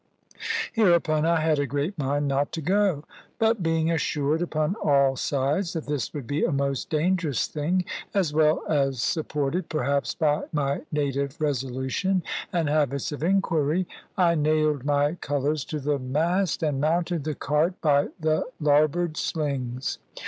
Hereupon I had a great mind not to go; but being assured upon all sides that this would be a most dangerous thing, as well as supported, perhaps, by my native resolution and habits of inquiry, I nailed my colours to the mast, and mounted the cart by the larboard slings.